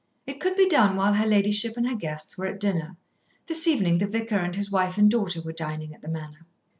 It could be done while her ladyship and her guests were at dinner. This evening the Vicar and his wife and daughter were dining at the Manor.